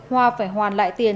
hoa phải hoàn lại tiền